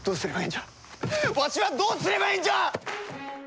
んじゃわしはどうすればええんじゃ！